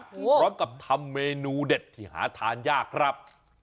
อยู่แล้วกับทำเมนูเด็ดมาทานยากครับ